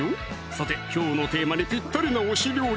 さてきょうのテーマにぴったりな推し料理